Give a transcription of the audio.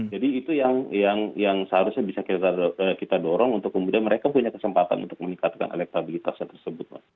jadi itu yang seharusnya bisa kita dorong untuk kemudian mereka punya kesempatan untuk meningkatkan elektabilitasnya tersebut mas